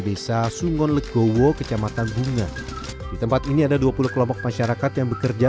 desa sungon legowo kecamatan bunga di tempat ini ada dua puluh kelompok masyarakat yang bekerja